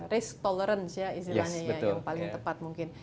risk tolerance ya istilahnya ya yang paling tepat mungkin